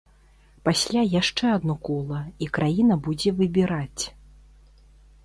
Пасля яшчэ адно кола, і краіна будзе выбіраць.